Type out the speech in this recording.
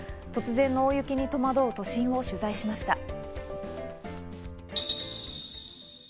突然の大雪に戸惑う都心を取材しました。